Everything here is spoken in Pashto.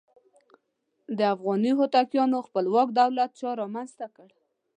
د افغاني هوتکیانو خپلواک دولت چا رامنځته کړ؟